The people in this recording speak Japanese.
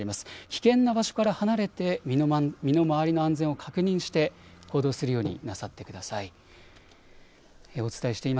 危険な場所から離れて身の回りの安全を確認して行動するようになさってください。